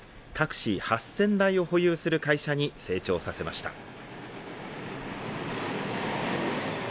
タクシー８０００台を保有する会社に成長させました。